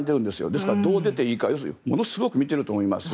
ですから、どう出ていいかものすごく見ていると思います。